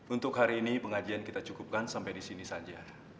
untuk hari ini pengajian kita cukupkan sampai di sini saja